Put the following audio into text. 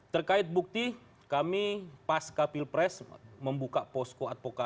terkait bukti kami pas kapil pres membuka posko advokasi hampir di sini ya